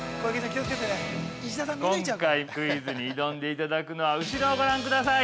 ◆今回、クイズに挑んでいただくのは後ろをご覧ください！